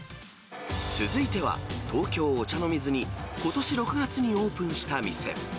続いては、東京・お茶の水にことし６月にオープンした店。